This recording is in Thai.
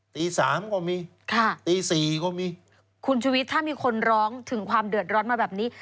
ตีสามก็มีค่ะตีสี่ก็มีคุณชุวิตถ้ามีคนร้องถึงความเดือดร้อนมาแบบนี้